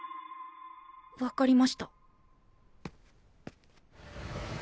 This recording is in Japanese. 分かりました。